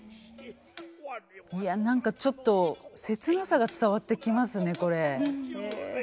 いや何かちょっと切なさが伝わってきますねこれ。